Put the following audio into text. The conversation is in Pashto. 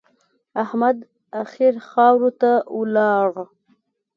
احمد اخير خاورو ته ولاړ.